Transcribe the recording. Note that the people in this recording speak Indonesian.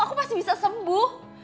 aku pasti bisa sembuh